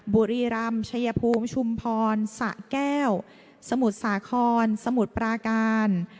บุรีรามเฉยภูมิชุมพรสสระแก้วสมุดสาขรสมุดปราการ